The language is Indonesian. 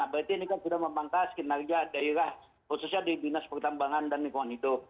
berarti ini kan sudah memangkas kinerja daerah khususnya dari binas pertambangan dan lingkungan itu